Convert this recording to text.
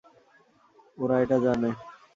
ওরা এটা জানে।